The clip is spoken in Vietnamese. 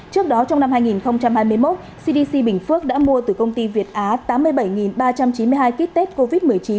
trước đó trong năm hai nghìn hai mươi một cdc bình phước đã mua từ công ty việt á tám mươi bảy ba trăm chín mươi hai kit test covid một mươi chín